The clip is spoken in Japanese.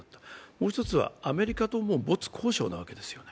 もう一つはアメリカともう没交渉なわけですよね。